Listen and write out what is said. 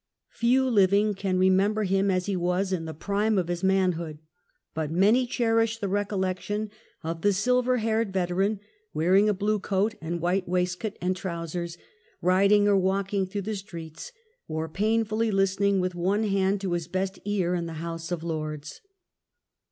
Few living can remember him as he was in the prime of his manhood, but many cherish the recollection of the silver haired veteran, wearing a blue coat and white waistcoat and trousers, riding or walking through the streets, or painfully listening, with one hand to his best ear, in the House of Lords.